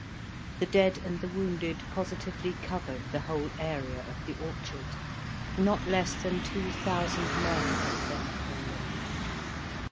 The dead and the wounded positively covered the whole area of the orchard; not less than two thousand men had there fallen.